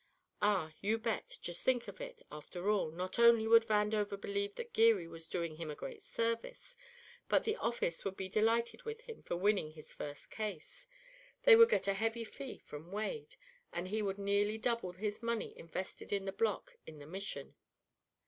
Ah, you bet, just think of it, after all, not only would Vandover believe that Geary was doing him a great service, but the office would be delighted with him for winning his first case, they would get a heavy fee from Wade, and he would nearly double his money invested in the block in the Mission.